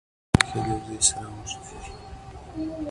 ښه ویلي دي سعدي په ګلستان کي